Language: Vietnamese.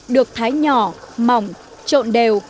được thái nhỏ mỏng trộn đều